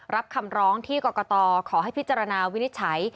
รับคำร้องที่กรกตขอให้พิจารณาวินิจฉัย